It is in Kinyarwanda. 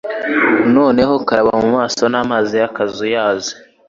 Noneho karaba mu maso n'amazi y'akazuyazi.